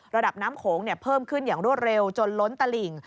ระดับน้ำโขงเพิ่มขึ้นอย่างรวดเร็วจนล้นตลิ่ง